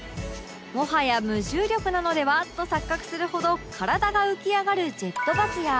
もはや無重力なのでは？と錯覚するほど体が浮き上がるジェットバスや